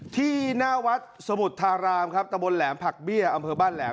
ที่หน้าวัดสมุทธารามครับตะบนแหลมผักเบี้ยอำเภอบ้านแหลม